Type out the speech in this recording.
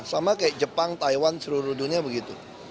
sama kayak jepang taiwan seluruh dunia begitu